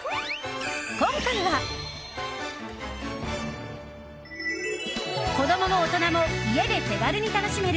今回は、子供も大人も家で手軽に楽しめる！